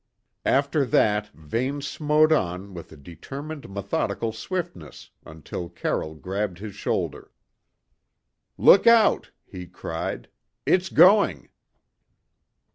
After that, Vane smote on with a determined methodical swiftness, until Carroll grabbed his shoulder. "Look out!" he cried. "It's going."